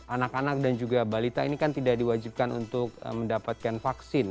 anak anak dan juga balita ini kan tidak diwajibkan untuk mendapatkan vaksin